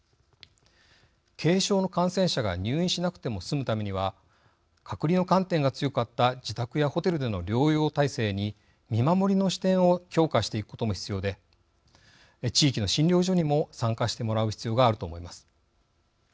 軽症の感染者が入院しなくても済むためには隔離の観点が強かった自宅やホテルでの療養体制に見守りの視点を強化していくことも必要で地域の診療所にも参加してもらう必要があると思います。